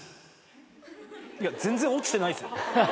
いや全然落ちてないっすよ。